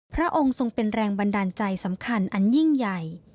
พระองค์ทรงเป็นแรงบันดาลใจสำคัญอันยิ่งใหญ่